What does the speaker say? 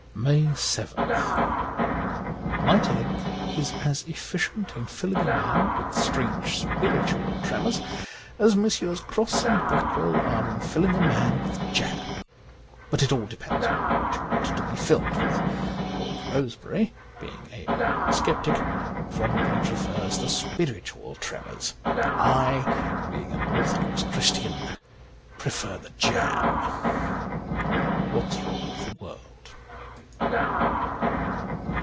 '' 138 MAY 7th MAETERLINCK is as efficient in filling a man with strange spiritual tremors as Messrs, Crosse & Blackwell are in filling a man with jam. But it all depends on what you want to be filled with. Lord Rosebery, being a modern sceptic, probably prefers the spiritual tremors. I, being an orthodox Christian, prefer the jam. * What's Wrong with the World.'